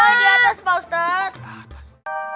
oh di atas pak ustadz